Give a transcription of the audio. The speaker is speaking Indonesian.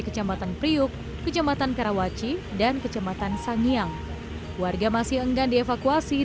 kecamatan priuk kecamatan karawaci dan kecamatan sangiang warga masih enggan dievakuasi